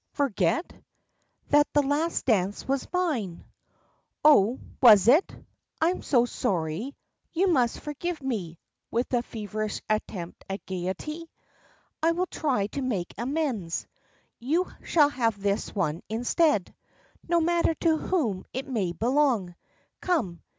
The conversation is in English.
"Forget?" "That the last dance was mine?" "Oh, was it? I'm so sorry. You must forgive me," with a feverish attempt at gayety, "I will try to make amends. You shall have this one instead, no matter to whom it may belong. Come.